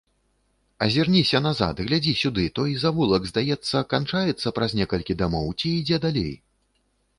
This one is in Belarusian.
Азірніся назад, глядзі сюды, той завулак, здаецца, канчаецца праз некалькі дамоў ці ідзе далей?